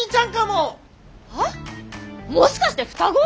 もしかして双子？